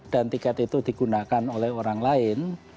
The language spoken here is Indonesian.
dan tiket itu digunakan oleh orang lain